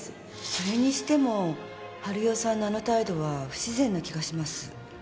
それにしても晴代さんのあの態度は不自然な気がします。